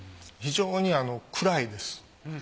非常に暗いです。